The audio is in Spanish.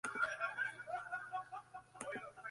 Fue diseñado por el arquitecto uruguayo Walter Lavalleja.